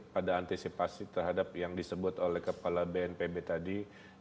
pada antisipasi terhadap yang disebut oleh kepala bnpb tadi